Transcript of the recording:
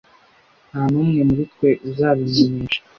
nta n'umwe muri twe uzabimenyesha